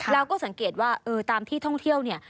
เราก็สังเกตว่าตามที่ท่องเที่ยวเนี่ย